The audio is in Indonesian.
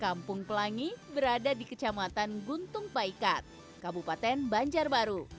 kampung pelangi berada di kecamatan guntung paikat kabupaten banjarbaru